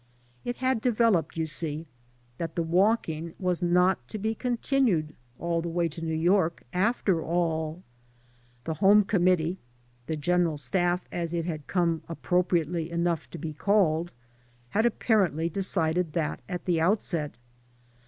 It had developed, you see, that the walking was not to be continued aU the way to New York, after all. The home committee — ^the general staff, as it had come, appropriately enough, to be called — ^had apparently de cided that at the outset.